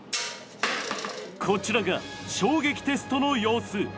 こちらが衝撃テストの様子。